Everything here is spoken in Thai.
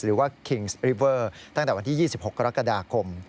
คิงสริเวอร์ตั้งแต่วันที่๒๖กรกฎาคม